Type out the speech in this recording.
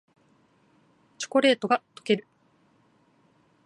チョコレートがとける